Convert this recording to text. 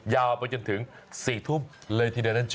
ยาวไปจนถึง๔ทุ่มเลยทีเดียวนะจ๊